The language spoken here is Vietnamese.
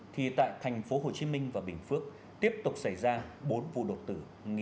thì tại thành phố hồ chí minh và bình phước tiếp tục xảy ra bốn vụ đột tử